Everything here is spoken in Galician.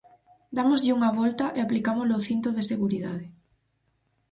Dámoslle unha volta e aplicámolo ao cinto de seguridade.